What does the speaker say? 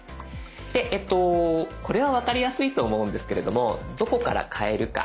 でこれは分かりやすいと思うんですけれどもどこから変えるか。